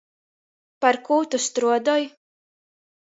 Par kū tu struodoj?